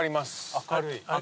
明るい。